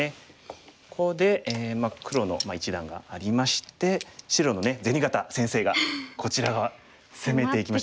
ここで黒の一団がありまして白のぜにがた先生がこちら側攻めていきました。